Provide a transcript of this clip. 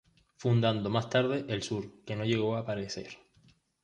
Fundando más tarde "El Sur" que no llegó a aparecer.